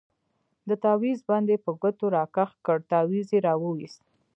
د تاويز بند يې په ګوتو راكښ كړ تاويز يې راوايست.